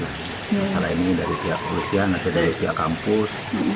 masalah ini dari pihak polisian atau dari pihak kampus